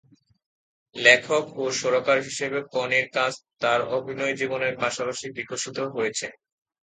লেখক ও সুরকার হিসেবে কনির কাজ তার অভিনয় জীবনের পাশাপাশি বিকশিত হয়েছে।